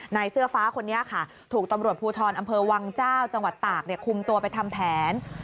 เสื้อฟ้าคนนี้ค่ะถูกตำรวจภูทรอำเภอวังเจ้าจังหวัดตากคุมตัวไปทำแผน